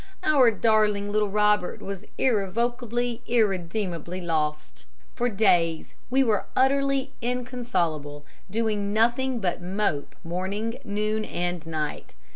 Our darling little Robert was irrevocably, irredeemably lost. For days we were utterly inconsolable, doing nothing but mope morning, noon, and night.